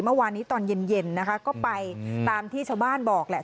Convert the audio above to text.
เมื่อวานนี้ตอนเย็นนะคะก็ไปตามที่ชาวบ้านบอกแหละ